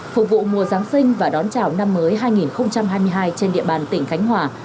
phục vụ mùa giáng sinh và đón chào năm mới hai nghìn hai mươi hai trên địa bàn tỉnh khánh hòa